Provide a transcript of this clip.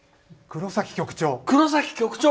黒崎局長！